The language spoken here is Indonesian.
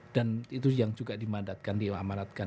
dan itu yang juga dimandatkan